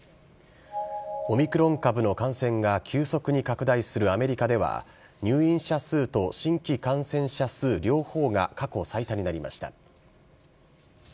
オミクロン株の感染が急速に拡大するアメリカでは、入院者数と新規感染者数両方が過去最多になりました。